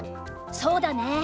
そうだね